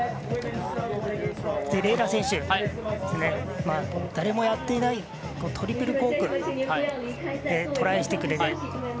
麗楽選手、誰もやっていないトリプルコークにトライしてくれて。